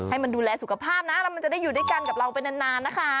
ให้มันดูแลสุขภาพนะแล้วมันจะได้อยู่ด้วยกันกับเราไปนานนะคะ